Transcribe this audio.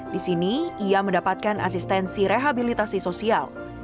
di sini ia mendapatkan asistensi rehabilitasi sosial